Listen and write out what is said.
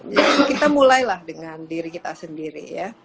jadi kita mulailah dengan diri kita sendiri ya